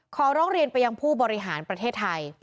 ขอร้องเรียนไปยังผู้บริหารประเทศไทย